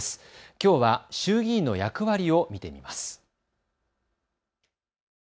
きょうは衆議院の役割を見てみます。